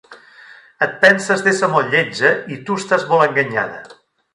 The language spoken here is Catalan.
Et penses d’ésser molt lletja i tu estàs molt enganyada.